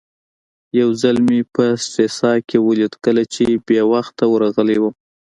یو ځل مې په سټریسا کې ولید کله چې بې وخته ورغلی وم.